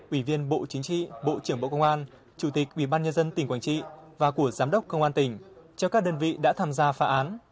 ủy viên bộ chính trị bộ trưởng bộ công an chủ tịch ubnd tỉnh quảng trị và của giám đốc công an tỉnh cho các đơn vị đã tham gia phá án